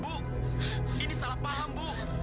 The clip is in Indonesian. bukan salah paham bu